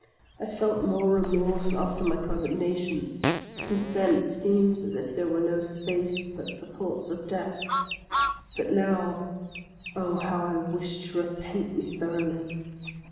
I felt more remorse after my condemnation ; since then it seems as if there were no space but for thoughts of death. But now, oh, how I wish to repent me thoroughly